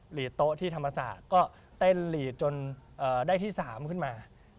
โต๊ะที่ธรรมศาสตร์ก็เต้นหลีดจนได้ที่๓ขึ้นมา